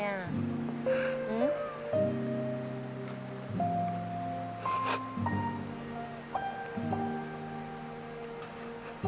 หือ